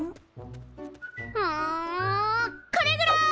んこれぐらい！